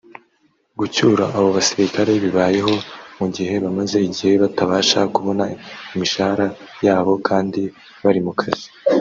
Gucyura abo basirikare bibayeho mu gihe bamaze igihe batabasha kubona imishahara yabo kandi bari mu kazi